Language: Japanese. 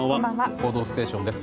「報道ステーション」です。